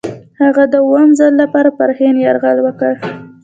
هغه د اووم ځل لپاره پر هند یرغل وکړ.